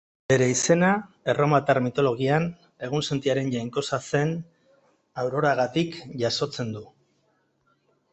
Bere izena, erromatar mitologian, egunsentiaren jainkosa zen Auroragatik jasotzen du.